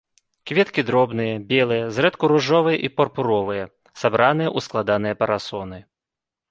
Кветкі дробныя, белыя, зрэдку ружовыя і пурпуровыя, сабраныя у складаныя парасоны.